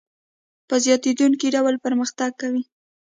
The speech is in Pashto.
په زیاتېدونکي ډول پرمختګ کوي